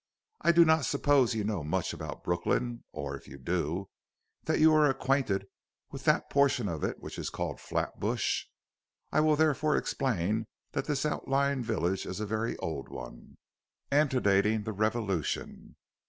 "I do not suppose you know much about Brooklyn, or, if you do, that you are acquainted with that portion of it which is called Flatbush. I will therefore explain that this outlying village is a very old one, antedating the Revolution.